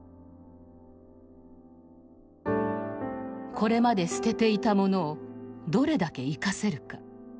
これまで捨てていたものをどれだけ生かせるか。